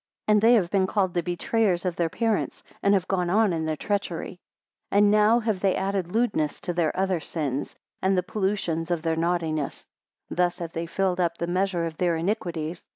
And they have been called the betrayers of their parents, and have gone on in their treachery. 10 And now have they added lewdness to their other sins, and the pollutions of their naughtiness: thus have they filled up the measure of their iniquities.